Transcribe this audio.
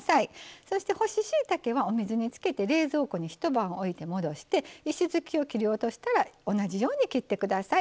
そして干ししいたけはお水につけて冷蔵庫に一晩置いて戻して石づきを切り落としたら同じように切って下さい。